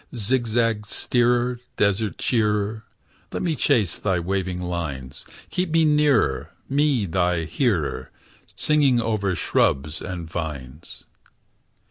Zigzag steerer, desert cheerer, Let me chase thy waving lines; Keep me nearer, me thy hearer, Singing over shrubs and vines.